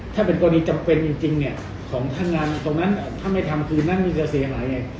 ถ้าเป็นกรณีจำเป็นจริงเนี่ยของท่านงานตรงนั้นถ้าไม่ทำคืนนั้นมันจะเสียหายไง